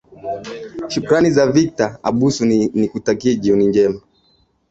shukrani sana victor abuso nikutakie jioni njema